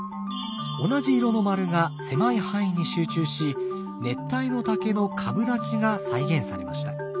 同じ色の丸が狭い範囲に集中し熱帯の竹の株立ちが再現されました。